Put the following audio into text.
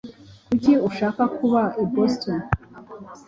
Kuki ushaka kuba i Boston?